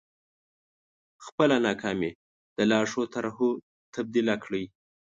خپله ناکامي د لا ښو طرحو تبديله کړئ.